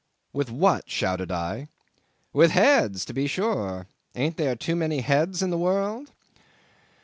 "With what?" shouted I. "With heads to be sure; ain't there too many heads in the world?"